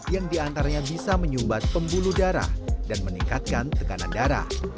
yang diantaranya bisa menyumbat pembuluh darah dan meningkatkan tekanan darah